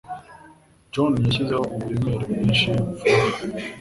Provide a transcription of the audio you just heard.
John yashyizeho uburemere bwinshi vuba aha.